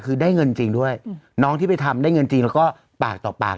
คือได้เงินจริงด้วยน้องที่ไปทำได้เงินจริงแล้วก็ปากต่อปาก